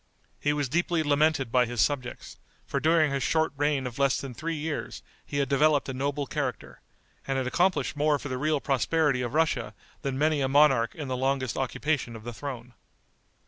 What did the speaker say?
He was deeply lamented by his subjects, for during his short reign of less than three years he had developed a noble character, and had accomplished more for the real prosperity of Russia than many a monarch in the longest occupation of the throne.